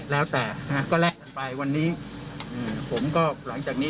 แล้วแต่นะฮะก็แลกกันไปวันนี้อืมผมก็หลังจากนี้